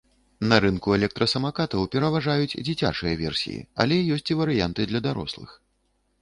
На рынку электрасамакатаў пераважаюць дзіцячыя версіі, але ёсць і варыянты для дарослых.